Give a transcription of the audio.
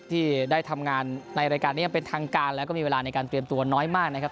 ที่ได้ทำงานในรายการนี้ยังเป็นทางการแล้วก็มีเวลาในการเตรียมตัวน้อยมากนะครับ